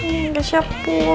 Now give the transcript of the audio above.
nggak siap bu